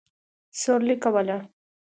سورلي کوله.